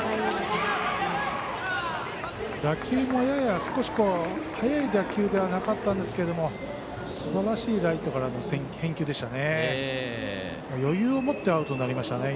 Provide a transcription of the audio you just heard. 打球もやや少し速い打球ではなかったんですけどすばらしいライトからの返球でしたね。